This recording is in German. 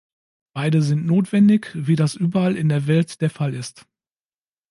Beide sind notwendig, wie das überall in der Welt der Fall ist.